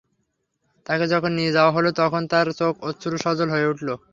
তাকে যখন নিয়ে যাওয়া হল তখন তার চোখ অশ্রুসজল হয়ে উঠল।